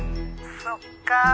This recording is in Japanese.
そっか。